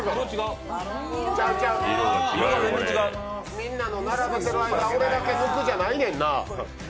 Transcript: ちゃうちゃう、みんなの並べてる間、俺だけ抜く、じゃないやんな。